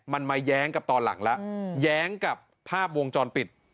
มันมาแย้งกับตอนหลังแล้วแย้งกับภาพวงจรปิด